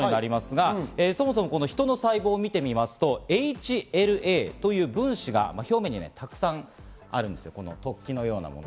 そもそも人の細胞を見てみますとＨＬＡという分子が表面にたくさん突起があるんですね。